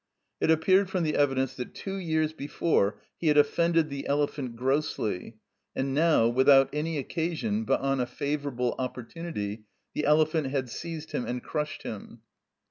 It appeared from the evidence that two years before he had offended the elephant grossly, and now, without any occasion, but on a favourable opportunity, the elephant had seized him and crushed him.